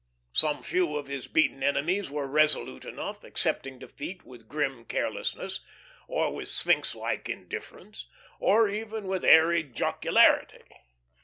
Some few of his beaten enemies were resolute enough, accepting defeat with grim carelessness, or with sphinx like indifference, or even with airy jocularity.